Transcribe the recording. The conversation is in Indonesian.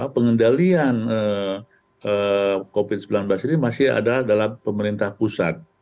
pengendalian covid sembilan belas ini masih ada dalam pemerintah pusat